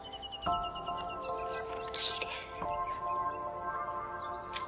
きれい。